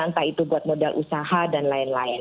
entah itu buat modal usaha dan lain lain